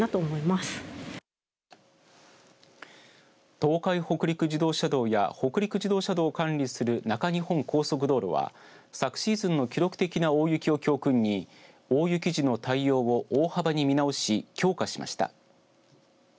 東海北陸自動車道や北陸自動車道を管理する中日本高速道路は、昨シーズンの記録的な大雪を教訓に大雪時の対応を大幅に見直し強化しました。